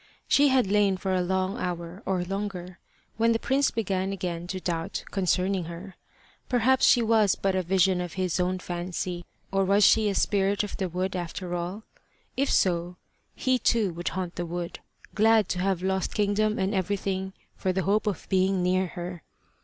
She had lain for a long hour or longer, when the prince began again to doubt concerning her. Perhaps she was but a vision of his own fancy. Or was she a spirit of the wood, after all? If so, he too would haunt the wood, glad to have lost kingdom and everything for the hope of being near her.